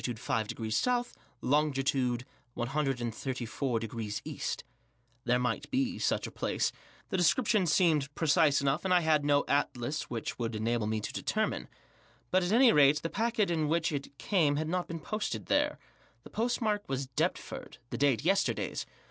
$ Q South ; Long. 134* East" There might be such a place ; the description seemed precise enough, and I had no atlas which would enable me to determine. But, at any rate, the packet in which it came had not been posted there. The postmark was Deptford ; the date yesterday's.